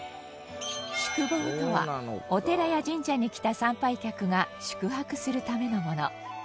宿坊とはお寺や神社に来た参拝客が宿泊するためのもの。